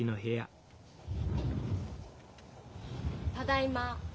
ただいま。